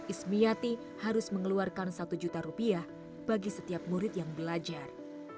ismiati harus mengeluarkan satu juta rupiah bagi setiap murid yang belajar